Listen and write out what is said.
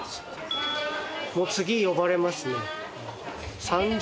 もう次呼ばれますね。